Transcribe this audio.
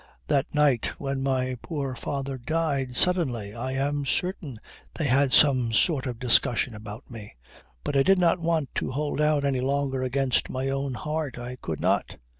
That night when my poor father died suddenly I am certain they had some sort of discussion, about me. But I did not want to hold out any longer against my own heart! I could not."